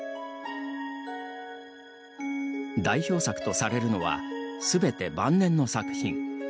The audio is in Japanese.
代表作とされるのはすべて晩年の作品。